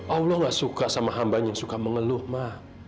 allah nggak suka sama hamba yang suka mengeluh ma